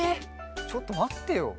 ちょっとまってよ。